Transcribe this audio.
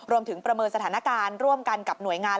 ประเมินสถานการณ์ร่วมกันกับหน่วยงาน